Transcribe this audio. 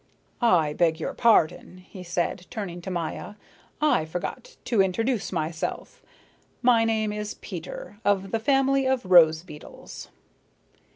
"I beg your pardon," he said, turning to Maya, "I forgot to introduce myself. My name is Peter, of the family of rose beetles."